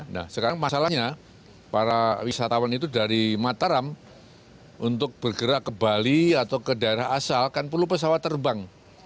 nah sekarang masalahnya para wisatawan itu dari mataram untuk bergerak ke bali atau ke daerah asal kan perlu pesawat terbang